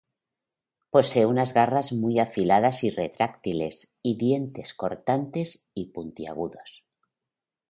Posee unas garras muy afiladas y retráctiles y dientes cortantes y puntiagudos.